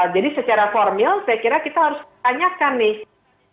jadi secara formil saya kira kita harus bertanyakan nih